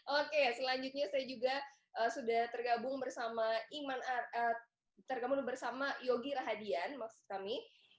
oke selanjutnya saya juga sudah tergabung bersama yogi rahadian maksud kami